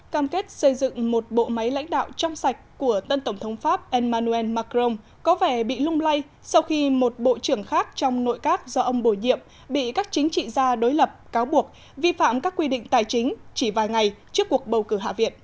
cam kết xây dựng một bộ máy lãnh đạo trong sạch của tân tổng thống pháp emmanuel macron có vẻ bị lung lay sau khi một bộ trưởng khác trong nội các do ông bổ nhiệm bị các chính trị gia đối lập cáo buộc vi phạm các quy định tài chính chỉ vài ngày trước cuộc bầu cử hạ viện